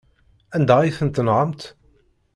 Anda ay ten-tenɣamt?